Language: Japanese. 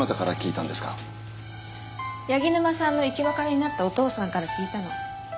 柳沼さんの生き別れになったお父さんから聞いたの。